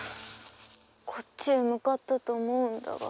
こっちへ向かったと思うんだが。